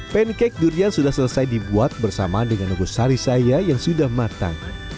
pancake durian sudah selesai dibuat bersama dengan nogosari saya yang sudah matang